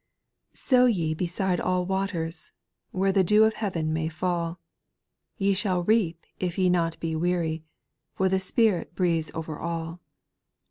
QOW ye beside all waters, O Where the dew of heaven may fall ; Ye shall reap if ye be not weary, For the Spirit breathes o'er all.